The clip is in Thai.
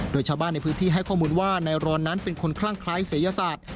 โดยชาวบ้านในพื้นที่ให้ข้อมูลว่านายรอนนั้นเป็นคนคลั่งคล้ายศัยศาสตร์